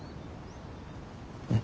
うん。